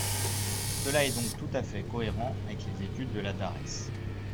Cela est donc tout à fait cohérent avec les études de la DARES.